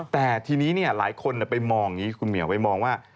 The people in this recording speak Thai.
แต่ทีนี้เนี่ยหลายคนไปมองคุณเหมียวไปมองว่า